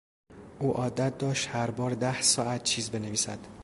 او عادت داشت هر بار ده ساعت چیز بنویسد.